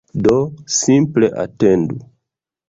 Do, simple atendu